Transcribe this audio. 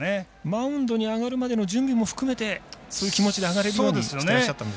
マウンドに上がるまでの準備も含めてそういう気持ちで上がれるようにと。